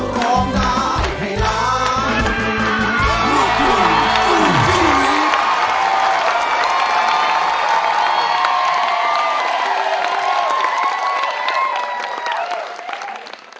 ดังเกิด